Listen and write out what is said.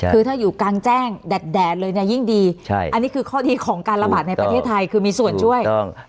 คือถ้าอยู่กลางแจ้งแดดเลยเนี่ยยิ่งดีใช่อันนี้คือข้อดีของการระบาดในประเทศไทยคือมีส่วนช่วย